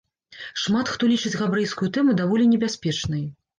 Шмат хто лічыць габрэйскую тэму даволі небяспечнай.